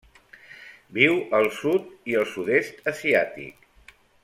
Viu al sud i el sud-est asiàtic.